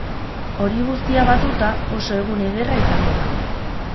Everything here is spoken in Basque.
Hori guztia batuta, oso egun ederra izango da.